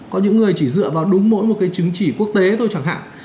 có những người chỉ dựa vào đúng mỗi một cái chứng chỉ quốc tế thôi chẳng hạn